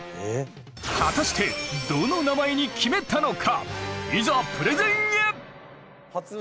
果たしてどの名前に決めたのか？